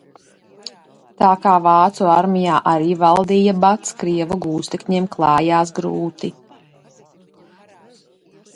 Tā kā vācu armijā arī valdīja bads, krievu gūstekņiem klājās grūti.